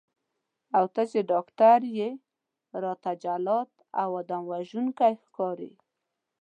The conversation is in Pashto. او ته چې ډاکټر یې راته جلاد او آدم وژونکی ښکارې.